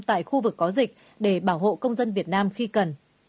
tại khu vực có dịch để bảo hộ công dân việt nam khi cần